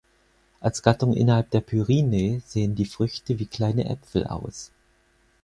Als Gattung innerhalb der Pyrinae sehen die Früchte wie kleine Äpfel aus.